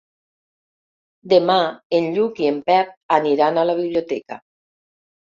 Demà en Lluc i en Pep aniran a la biblioteca.